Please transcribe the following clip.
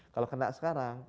kalau kena sekarang